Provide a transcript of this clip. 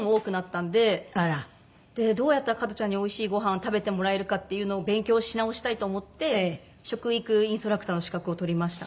どうやったら加トちゃんにおいしいごはんを食べてもらえるかっていうのを勉強し直したいと思って食育インストラクターの資格を取りました。